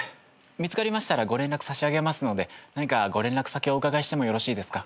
見つかりましたらご連絡差し上げますので何かご連絡先をお伺いしてもよろしいですか？